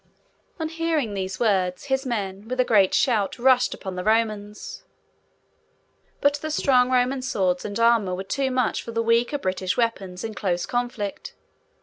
On hearing these words, his men, with a great shout, rushed upon the Romans. But the strong Roman swords and armour were too much for the weaker British weapons in close conflict.